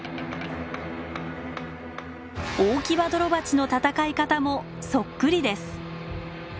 オオキバドロバチの戦い方もそっくりです。